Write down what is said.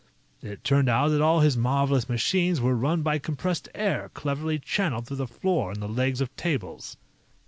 It turned out that all his marvelous machines were run by compressed air cleverly channeled through the floor and the legs of tables."